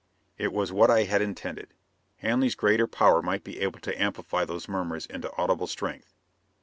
It was what I had intended. Hanley's greater power might be able to amplify those murmurs into audible strength.